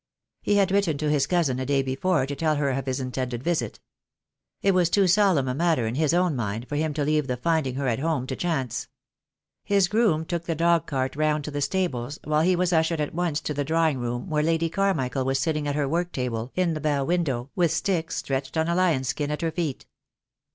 He had written to his cousin a day before to tell her of his intended visit. It was too solemn a matter in his own mind for him to leave the finding her at home to chance. His groom took the dog cart round to the stables, while he was ushered at once to the drawing room where Lady Carmichael was sitting at her work table in the bow window, with Styx stretched on a lion skin at her feet.